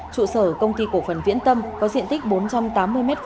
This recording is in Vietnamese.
trụ sở công ty cổ phần viễn tâm có diện tích bốn trăm tám mươi m hai